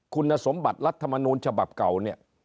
คุณสมบัติรัฐมนูลฉบับเก่าเนี่ย